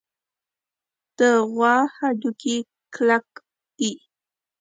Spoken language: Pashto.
د غوا هډوکي کلک دي.